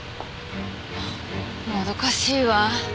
もどかしいわ。